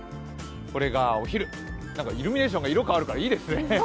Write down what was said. これがお昼、イルミネーションが色が変わるからいいですね。